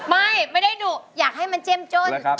ไม่ได้ดุอยากให้มันเจ้มจ้น